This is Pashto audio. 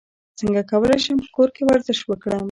څنګه کولی شم په کور کې ورزش وکړم